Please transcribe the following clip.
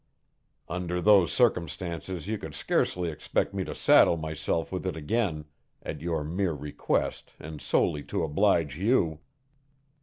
Under those circumstances you could scarcely expect me to saddle myself with it again, at your mere request and solely to oblige you."